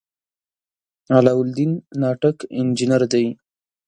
علاالدین ناټک انجنیر دی.